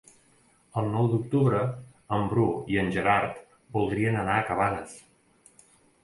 El nou d'octubre en Bru i en Gerard voldrien anar a Cabanes.